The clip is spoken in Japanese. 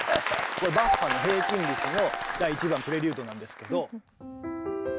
これバッハの「平均律」の第１番プレリュードなんですけど。